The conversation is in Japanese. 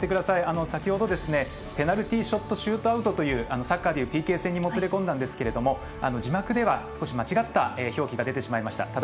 さきほどペナルティーショットシュートアウトというサッカーでいうＰＫ戦が行われたんですけれども字幕では、少し間違った表記が出てしまいました。